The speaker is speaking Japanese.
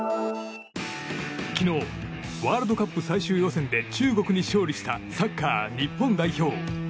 昨日、ワールドカップ最終予選で中国に勝利したサッカー日本代表。